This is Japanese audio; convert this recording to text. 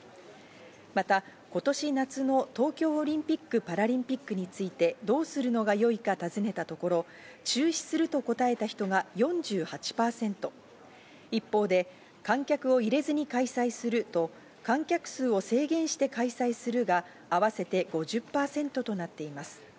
また今年夏の東京オリンピック・パラリンピックについてどうするのがよいか尋ねたところ中止すると答えた人が４８％、一方で観客を入れずに開催すると観客数を制限して開催するが、合わせて５０％となっています。